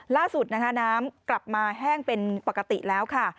ล่าสุดนะคะน้ำกลับมาแห้งเป็นปกติแล้วค่ะ